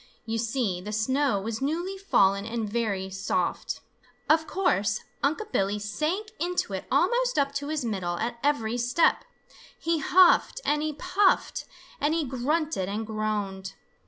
You see, the snow was newly fallen and very soft. Of course Unc' Billy sank into it almost up to his middle at every step. He huffed and he puffed and he grunted and groaned.